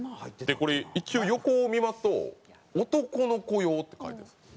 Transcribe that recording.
でこれ一応横を見ますと「おとこの子用」って書いてあるんです。